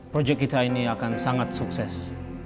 proyek kita ini akan sangat sukses